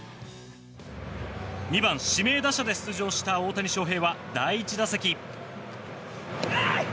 ２番指名打者で出場した大谷翔平は第１打席。